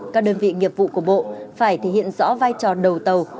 các đơn vị nghiệp vụ của bộ phải thể hiện rõ vai trò đầu tàu